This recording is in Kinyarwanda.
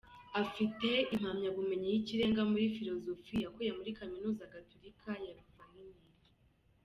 Afite impamyabumenyi y’Ikirenga muri ‘Philosophie’ yakuye muri Kaminuza Gatolika ya Louvain.